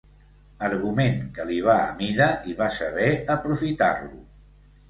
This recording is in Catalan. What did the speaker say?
Argument que li va a mida i va saber aprofitar-lo.